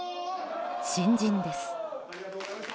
新人です。